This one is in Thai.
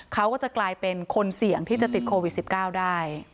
เขาก็จะกลายเป็นคนเสี่ยงที่จะติดโควิด๑๙ได้